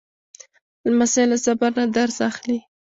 لمسی له صبر نه درس اخلي.